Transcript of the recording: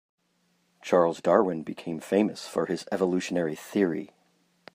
Charles Darwin became famous for his evolutionary theory.